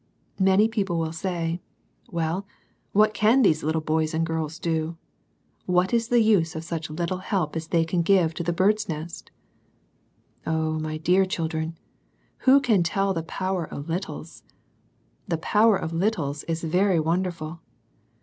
Many people will say, "Well, what can these little boys and girls do ? What is the use of such little help as they can give to the * Bird's Nest?'" Oh, my dear children, who can tell the power of littles ? The power of littles is very wonderful